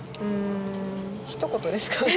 んひと言ですか？